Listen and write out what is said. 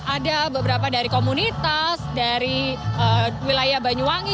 ada beberapa dari komunitas dari wilayah banyuwangi